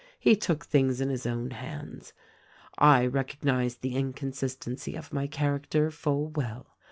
— he took things in his own hands. "I recognize the inconsistency of my character, full well.